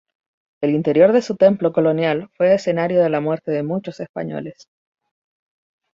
El interior de su Templo colonial fue escenario de la muerte de muchos españoles.